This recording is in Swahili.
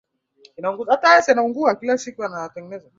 Wanasayansi wanaelezea maoni kadhaa juu ya shida ya